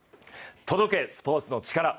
「届け、スポーツのチカラ」